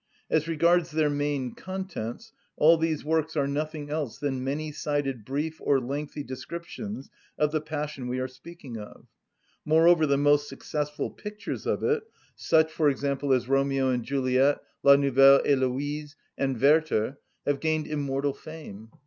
As regards their main contents, all these works are nothing else than many‐sided brief or lengthy descriptions of the passion we are speaking of. Moreover, the most successful pictures of it—such, for example, as Romeo and Juliet, La Nouvelle Hélöise, and Werther—have gained immortal fame.